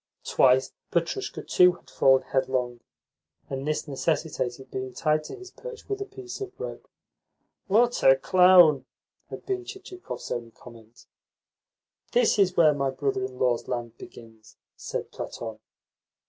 Twice Petrushka, too, had fallen headlong, and this necessitated being tied to his perch with a piece of rope. "What a clown!" had been Chichikov's only comment. "This is where my brother in law's land begins," said Platon.